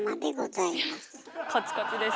カチカチです。